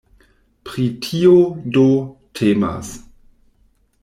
Pri tio, do, temas.